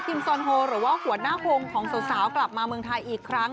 โซนโฮหรือว่าหัวหน้าวงของสาวกลับมาเมืองไทยอีกครั้ง